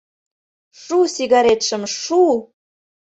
— Шу сигаретшым, шу!